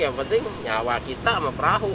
yang penting nyawa kita sama perahu